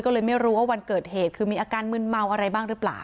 ก็เลยไม่รู้ว่าวันเกิดเหตุคือมีอาการมึนเมาอะไรบ้างหรือเปล่า